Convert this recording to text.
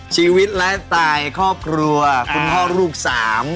ชีวิตและสไตล์ครอบครัวคุณพ่อลูกสาม